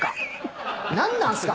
何なんすか？